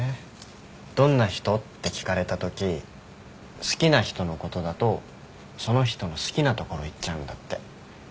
「どんな人？」って聞かれたとき好きな人のことだとその人の好きなところ言っちゃうんだって。